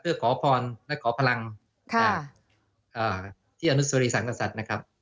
และก่อพลังที่อนุสริสังกษัตริย์